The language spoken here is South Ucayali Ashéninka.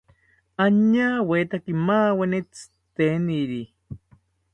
Añawetaki maaweni tziteniri